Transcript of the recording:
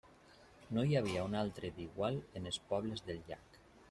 No n'hi havia un altre d'igual en els pobles del llac.